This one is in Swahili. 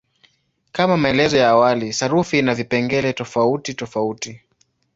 Kama maelezo ya awali, sarufi ina vipengele tofautitofauti.